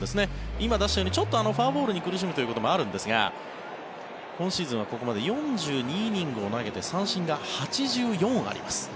今、出したようにフォアボールに苦しむということもあるんですが今シーズンはここまで４２イニングを投げて三振が８４あります。